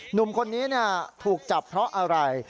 หนุ่มคนนี้ถูกจับเพราะอะไร